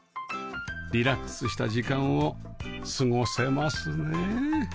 リラックスした時間を過ごせますね